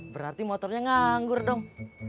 berarti motornya nganggur dong